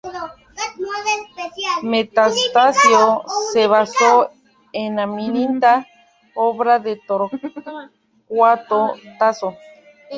Metastasio se basó en "Aminta", obra de Torquato Tasso.